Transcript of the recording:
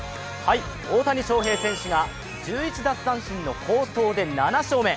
大谷翔平選手が１１奪三振の好投で７勝目。